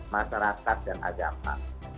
masyarakat dan agama